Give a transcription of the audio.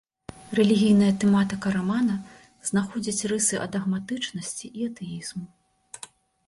Рэлігійная тэматыка рамана знаходзіць рысы адагматычнасці і атэізму.